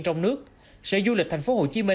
trong nước sở du lịch tp hcm